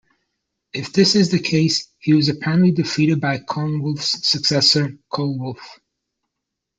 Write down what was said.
If this is the case, he was apparently defeated by Coenwulf's successor Ceolwulf.